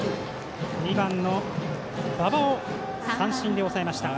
２番の馬場を三振で抑えました。